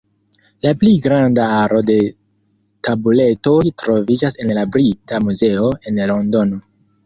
La pli granda aro de tabuletoj troviĝas en la Brita Muzeo, en Londono.